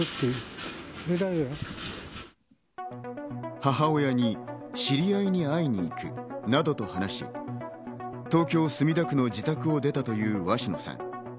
母親に知り合いに会いに行くなどと話し、東京・墨田区の自宅を出たという鷲野さん。